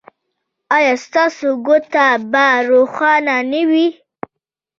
ایا ستاسو کوټه به روښانه نه وي؟